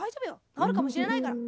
なおるかもしれないから。